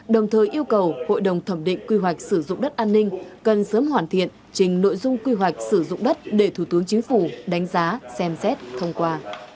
đồng thời yêu cầu hội đồng thẩm định quy hoạch sử dụng đất an ninh cần sớm hoàn thiện trình nội dung quy hoạch sử dụng đất để thủ tướng chính phủ đánh giá xem xét thông qua